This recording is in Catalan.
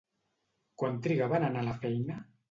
Quant trigava en anar a la feina?